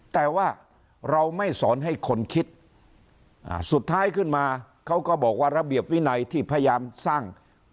แต่ว่าเราไม่สอนให้คนคิดสุดท้ายขึ้นมาเขาก็บอกว่าระเบียบวินัยที่พยายามสร้าง